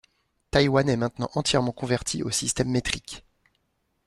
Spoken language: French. Taiwan est maintenant entièrement convertie au système métrique.